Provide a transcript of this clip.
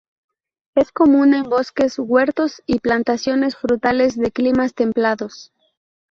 Es común en bosques, huertos y plantaciones frutales de climas templados.